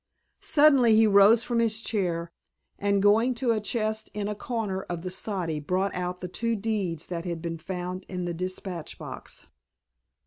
Suddenly he rose from his chair and going to a chest in a corner of the soddy brought out the two deeds that had been found in the dispatch box.